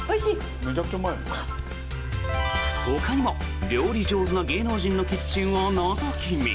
ほかにも、料理上手な芸能人のキッチンをのぞき見。